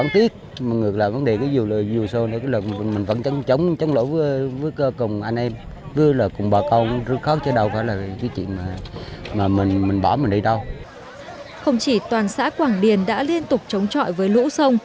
không chỉ toàn xã quảng điền đã liên tục chống trọi với lũ sông